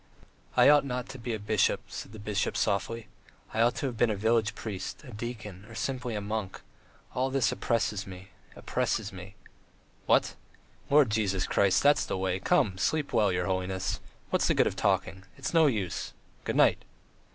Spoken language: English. "I ought not to be a bishop," said the bishop softly. "I ought to have been a village priest, a deacon ... or simply a monk. ... All this oppresses me ... oppresses me." "What? Lord Jesus Christ. ... That's the way. Come, sleep well, your holiness! ... What's the good of talking? It's no use. Good night!"